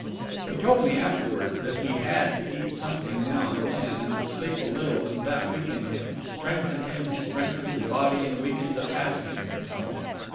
(He told me afterwards that he had to eat something now and then and to sleep a little, and that weakened him strengthened him strengthened his body and weakened the passing, you know.)